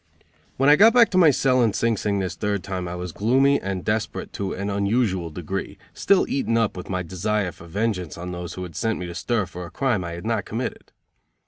When I got back to my cell in Sing Sing this third time I was gloomy and desperate to an unusual degree, still eaten up with my desire for vengeance on those who had sent me to stir for a crime I had not committed.